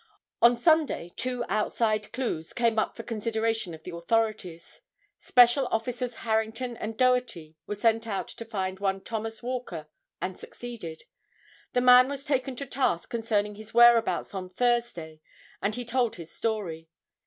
On Sunday two "outside clues" came up for consideration of the authorities. Special officers, Harrington and Doherty, were sent out to find one Thomas Walker and succeeded. The man was taken to task concerning his whereabouts on Thursday and he told his story.